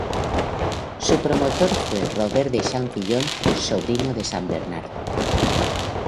Su promotor fue Robert de Châtillon, sobrino de san Bernardo.